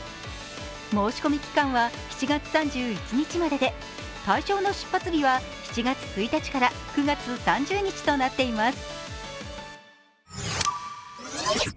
申込期間は７月３１日までで対象の出発日は７月１日から９月３０日となっています